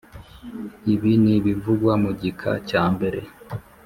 Ibi N ibivugwa mu gika cyambere